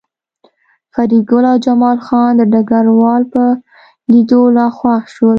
فریدګل او جمال خان د ډګروال په لیدو لا خوښ شول